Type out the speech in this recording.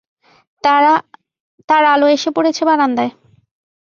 তার আলো এসে পড়েছে বারান্দায়।